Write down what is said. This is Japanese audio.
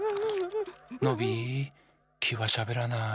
ノビーきはしゃべらない。